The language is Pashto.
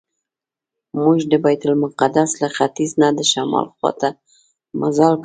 موږ د بیت المقدس له ختیځ نه د شمال خواته مزل کاوه.